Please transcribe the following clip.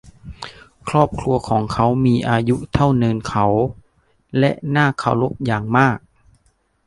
ครอบครัวของเขามีอายุเท่าเนินเขา และน่าเคารพอย่างมาก